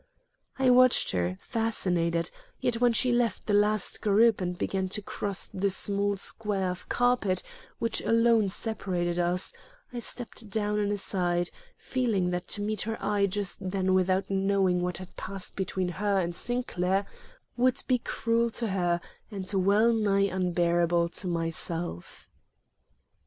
I watched her, fascinated, yet when she left the last group and began to cross the small square of carpet which alone separated us, I stepped down and aside, feeling that to meet her eye just then without knowing what had passed between her and Sinclair would be cruel to her and well nigh unbearable to myself.